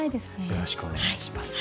よろしくお願いします。